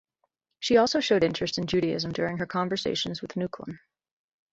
She also showed interest in Judaism during her conversations with Nuklon.